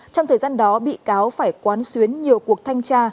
trong thời gian đó bị cáo phải quán xuyến nhiều cuộc thanh tra